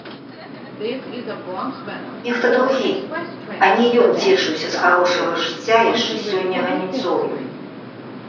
Нехта другі, а не ён цешыўся з харошага жыцця яшчэ сёння раніцою.